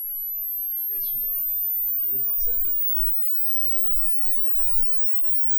Mais soudain, au milieu d’un cercle d’écume, on vit reparaître Top.